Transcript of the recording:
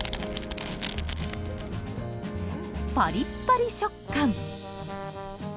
パリッパリ食感。